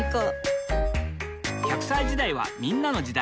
磽隠娃歳時代はみんなの時代。